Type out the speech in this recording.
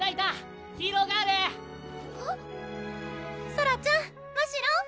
・ソラちゃんましろん！